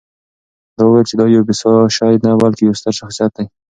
ده وویل چې دا یو بې ساه شی نه، بلکې یو ستر شخصیت دی.